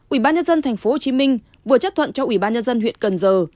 ủy ban nhân dân tp hcm vừa chấp thuận cho ủy ban nhân dân huyện cần giờ